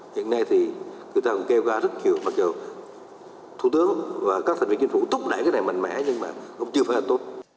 hiện nay thì người ta cũng kêu ca rất nhiều mặc dù thủ tướng và các thành viên chính phủ thúc đẩy cái này mạnh mẽ nhưng mà cũng chưa phải là tốt